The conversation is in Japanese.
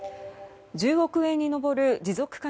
１０億円に上る持続化